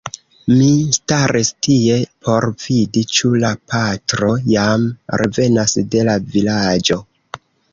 Mi staris tie por vidi ĉu la patro jam revenas de "la Vilaĝo".